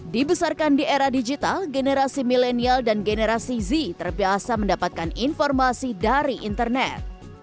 dibesarkan di era digital generasi milenial dan generasi z terbiasa mendapatkan informasi dari internet